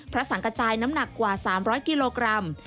พระสังกระจายน้ำหนักกว่า๓๐๐กิโลกรัม